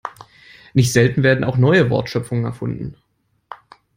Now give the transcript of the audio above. Nicht selten werden auch neue Wortschöpfungen erfunden.